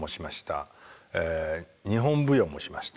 日本舞踊もしました。